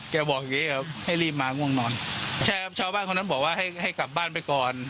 ใช่ครับชาวบ้านคนนั้นบอกว่าให้กลับบ้านไปก่อน